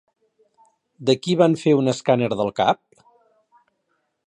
De qui van fer un escàner del cap?